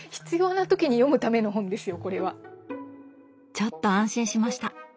ちょっと安心しました！